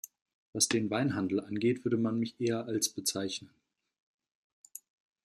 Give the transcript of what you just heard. Was den Weinhandel angeht, würde man mich eher als bezeichnen.